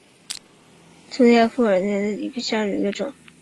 粗裂复叶耳蕨为鳞毛蕨科复叶耳蕨属下的一个种。